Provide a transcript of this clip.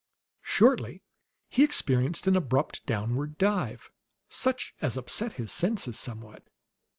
Shortly he experienced an abrupt downward dive, such as upset his senses somewhat.